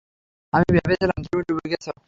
আমি ভেবেছিলাম, তুমি ডুবে গেছ!